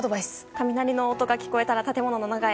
雷の音が聞こえたら建物の中へ。